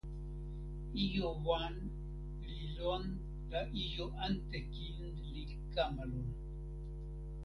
ijo wan li lon la ijo ante kin li kama lon.